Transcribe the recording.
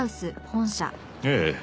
ええ。